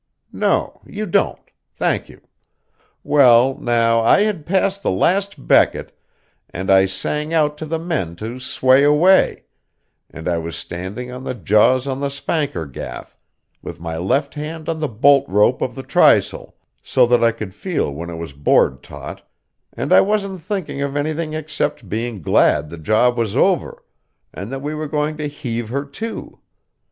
No, you don't. Thank you. Well now, I had passed the last becket, and I sang out to the men to sway away, and I was standing on the jaws of the spanker gaff, with my left hand on the bolt rope of the trysail, so that I could feel when it was board taut, and I wasn't thinking of anything except being glad the job was over, and that we were going to heave her to.